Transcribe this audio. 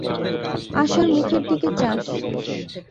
আশার মুখের দিকে চাস।